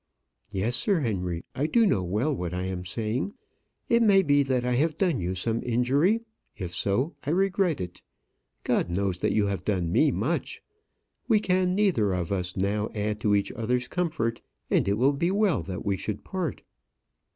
"Yes, Sir Henry, I do know well what I am saying. It may be that I have done you some injury; if so, I regret it. God knows that you have done me much. We can neither of us now add to each other's comfort, and it will be well that we should part."